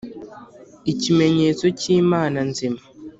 ikimenyetso cy Imana nzima